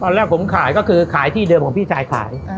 แรกผมขายก็คือขายที่เดิมของพี่ชายขาย